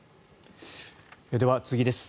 では、次です。